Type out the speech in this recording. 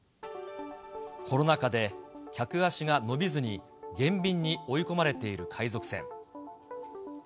コロナ禍で客足が伸びずに、減便に追い込まれている海賊船。